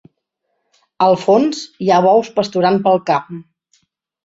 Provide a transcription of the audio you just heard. Al fons, hi ha bous pasturant pel camp.